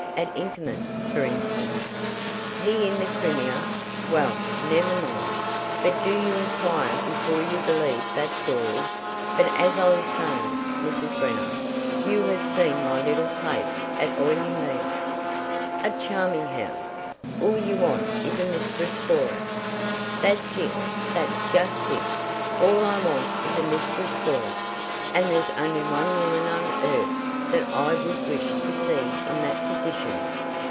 At Inkerman, for instance " "He in the Crimea! Well, never mind. But do you inquire before you believe that story. But as I was saying, Mrs. Greenow, you have seen my little place at Oileymead." "A charming house. All you want is a mistress for it." "That's it; that's just it. All I want is a mistress for it. And there's only one woman on earth that I would wish to see in that position.